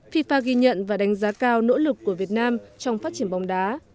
fifa ghi nhận và đánh giá cao nỗ lực của việt nam trong phát triển bóng đá